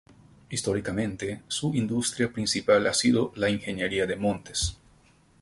Históricamente, su industria principal ha sido la ingeniería de montes.